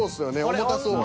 重たそうな。